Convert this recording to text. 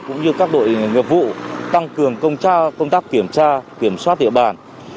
cũng như các đội nghiệp vụ tăng cường công tác kiểm tra kiểm soát địa bàn